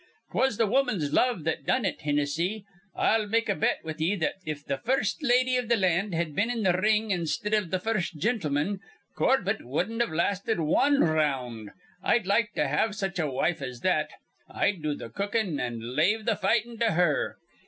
"'Twas woman's love that done it, Hinnissy. I'll make a bet with ye that, if th' first lady iv th' land had been in th' ring instead iv th' first jintleman, Corbett wudden't have lasted wan r round. I'd like to have such a wife as that. I'd do th' cookin', an' lave th' fightin' to her.